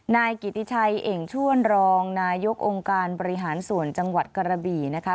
นายกิติชัยเอ่งชวนรองนายกองค์การบริหารส่วนจังหวัดกระบี่นะคะ